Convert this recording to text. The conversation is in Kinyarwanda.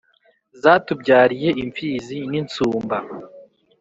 zatubyariye imfizi n’insumba